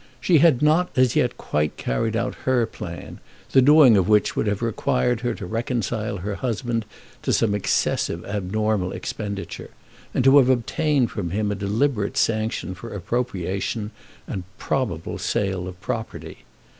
She had not as yet quite carried out her plan, the doing of which would have required her to reconcile her husband to some excessive abnormal expenditure, and to have obtained from him a deliberate sanction for appropriation and probable sale of property.